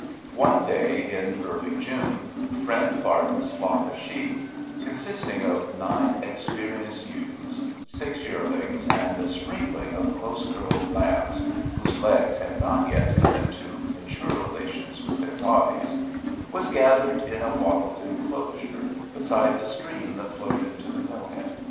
One day in early June, Friend Barton's flock of sheep (consisting of nine experienced ewes, six yearlings, and a sprinkling of close curled lambs whose legs had not yet come into mature relations with their bodies) was gathered in a wattled inclosure, beside the stream that flowed into the mill head.